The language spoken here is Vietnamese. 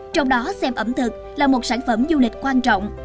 trong đó xem ẩm thực là một sản phẩm du lịch quan trọng